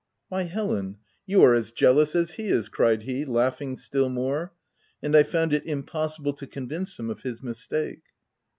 " Why Helen, you are as jealous as he is !" cried he, laughing still more ; and I found it impossible to convince him of his mistake.